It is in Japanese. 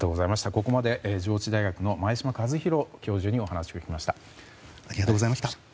ここまで上智大学の前嶋和弘教授にお話を聞きました。